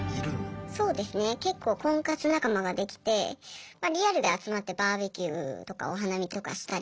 そうですね結構婚活仲間ができてリアルで集まってバーベキューとかお花見とかしたり。